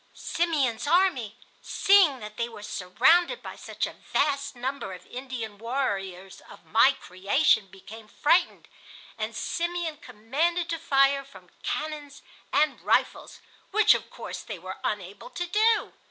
"Simeon's army, seeing that they were surrounded by such a vast number of Indian warriors of my creation, became frightened, and Simeon commanded to fire from cannons and rifles, which of course they were unable to do.